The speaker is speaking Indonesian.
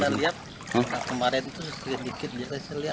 kita lihat kemarin itu sedikit sedikit kita lihat